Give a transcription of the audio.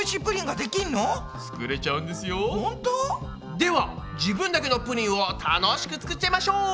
では自分だけのプリンをたのしく作っちゃいましょう！